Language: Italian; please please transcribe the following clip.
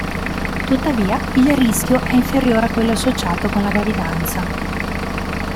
Tuttavia, il rischio è inferiore a quello associato con la gravidanza.